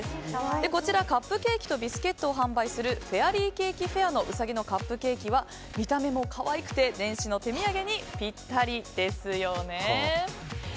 こちら、カップケーキとビスケットを販売するＦａｉｒｙｃａｋｅＦａｉｒのウサギのカップケーキは見た目も可愛くて年始の手土産にぴったりですよね。